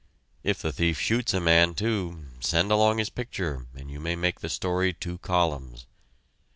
If the thief shoots a man, too, send along his picture and you may make the story two columns.